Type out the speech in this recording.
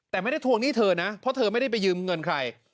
แต่ไม่ได้ทวงหนี้เธอนะเพราะเธอไม่ได้ไปยืมเงินใคร